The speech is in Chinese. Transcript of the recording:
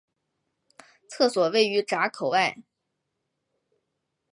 厕所位于闸口外。